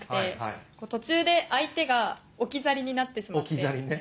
置き去りね。